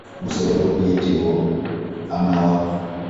Gusobola okuyitibwa amawa.